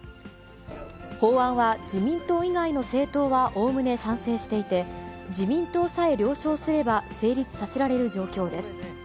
法案は自民党以外の政党はおおむね賛成していて、自民党さえ了承すれば成立させられる状況です。